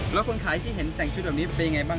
แล้วคนขายที่เห็นแต่งชุดแบบนี้เป็นยังไงบ้าง